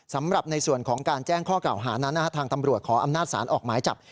สำหรับในส่วนของการแจ้งข้อเก่าหานั้นทางตำรวจขออำนาจศาลออกหมายจับ